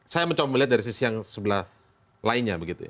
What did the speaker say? saya mencoba melihat dari sisi yang sebelah lainnya begitu ya